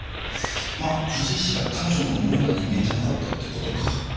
まあ藤石が彼女の思うような人間じゃなかったってことか。